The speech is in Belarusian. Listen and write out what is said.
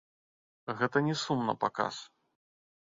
Гэта не сум напаказ.